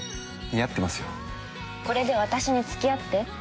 これで私に付き合って。